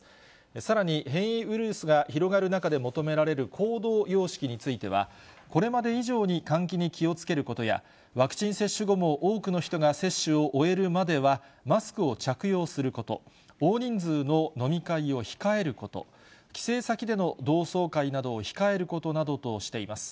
さらに、変異ウイルスが広がる中で求められる行動様式については、これまで以上に換気に気をつけることや、ワクチン接種後も多くの人が接種を終えるまではマスクを着用すること、大人数の飲み会を控えること、帰省先での同窓会などを控えることなどとしています。